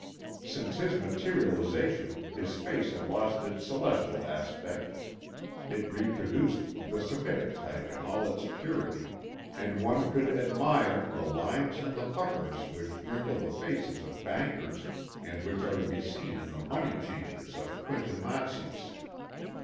Since his materialisation his face had lost its celestial aspect; it reproduced the Semitic type in all its purity, and one could admire the lines and the puckers which wrinkle the faces of bankers and which are to be seen in the money changers of Quintin Matsys.